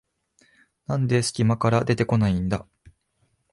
なんですき間から出てこないんだ